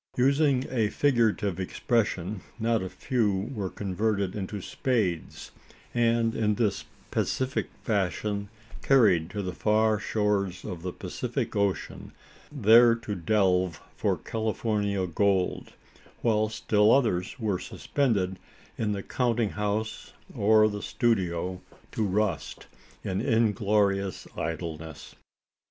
Using a figurative expression, not a few were converted into spades; and in this pacific fashion, carried to the far shores of the Pacific Ocean there to delve for Californian gold while still others were suspended in the counting house or the studio, to rust in inglorious idleness.